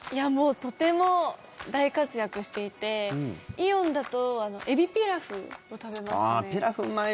とても大活躍していてイオンだとエビピラフを食べますね。